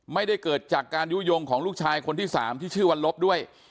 ไม่ได้เกิดจากการยุโยงของลูกชายคนที่๓ที่ชื่อวันลบด้วย